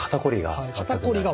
肩こりが？